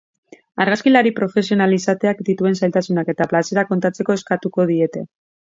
Argazkilari profesional izateak dituen zailtasunak eta plazerak kontatzeko eskatuko diete.